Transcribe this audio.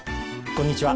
こんにちは。